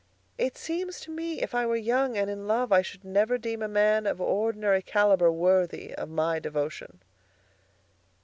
It seems to me if I were young and in love I should never deem a man of ordinary caliber worthy of my devotion."